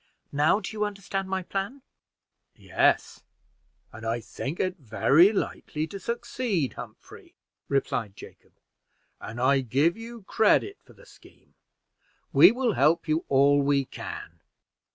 Now do you understand my plan?" "Yes, and I think it very likely to succeed, Humphrey," replied Jacob, "and I give you credit for the scheme. We will help you all we can.